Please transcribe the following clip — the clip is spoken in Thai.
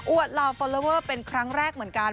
เหล่าฟอลลอเวอร์เป็นครั้งแรกเหมือนกัน